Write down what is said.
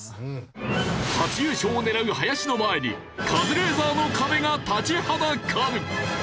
初優勝を狙う林の前にカズレーザーの壁が立ちはだかる！